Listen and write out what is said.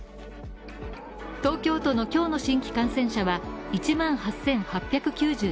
東京都の今日の新規感染者は１万８８９１人。